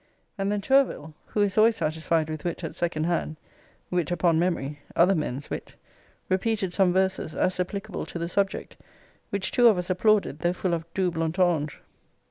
And then Tourville (who is always satisfied with wit at second hand; wit upon memory: other men's wit) repeated some verses, as applicable to the subject; which two of us applauded, though full of double entendre.